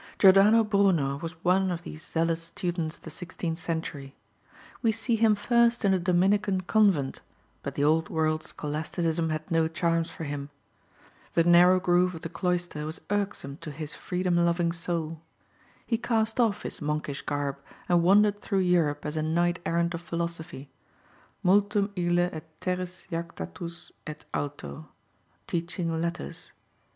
Jordano Bruno was one of these zealous students of the sixteenth century. We see him first in a Dominican convent, but the old world scholasticism had no charms for him. The narrow groove of the cloister was irksome to his freedom loving soul. He cast off his monkish garb, and wandered through Europe as a knight errant of philosophy, multum ille et terris jactatus et alto, teaching letters.